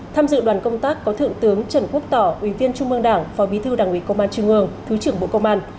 tham dự đoàn công tác có thượng tướng trần quốc tỏ ủy viên trung mương đảng phó bí thư đảng ủy công an trung ương thứ trưởng bộ công an